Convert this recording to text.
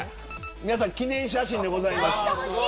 記念写真でございます。